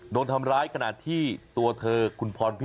โดยทำร้ายกำหนดที่ตัวเธอคุณฟรรณพิมศ์เนี่ย